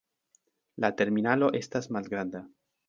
La terminalo estas malgranda.